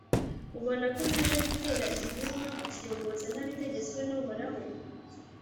Ubona ko naje gutera iki gihugu no kukiyogoza ntabitegetswe n’Uhoraho ?